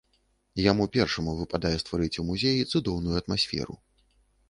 Яму першаму выпадае стварыць у музеі цудоўную атмасферу.